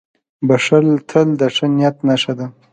• بښل تل د ښه نیت نښه ده.